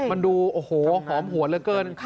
มันดูโอ้โหหอมหวนเหลือเกิน